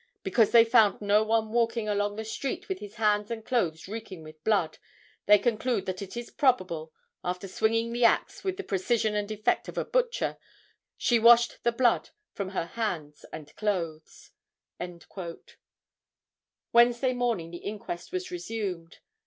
Because they found no one walking along the street with his hands and clothes reeking with blood, they conclude that it is probable, after swinging the axe with the precision and effect of a butcher, she washed the blood from her hands and clothes." Wednesday morning the inquest was resumed.